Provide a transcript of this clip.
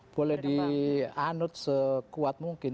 boleh dianut sekuat mungkin